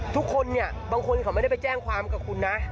ทุกคนเนี่ยบางคนเขาไม่ได้ไปแจ้งความกับคุณนะ